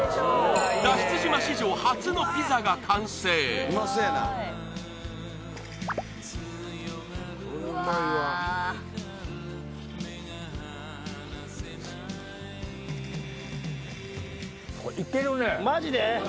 脱出島史上初のピザが完成マジで？